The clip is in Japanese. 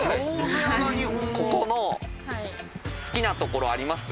ここの好きなところあります？